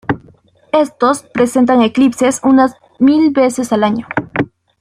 Estos presentan eclipses unas mil veces al año.